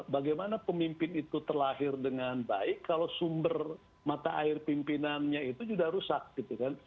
bagaimana pemimpin itu terlahir dengan baik kalau sumber mata air pimpinannya itu sudah rusak gitu kan